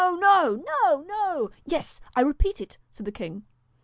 'No, no!' 'Yes I repeat it,' said the king.